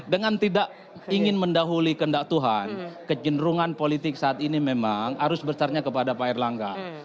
dengan tidak ingin mendahuli kendak tuhan kejenrungan politik saat ini memang harus besarnya kepada pak erlangga sebagai pertahanan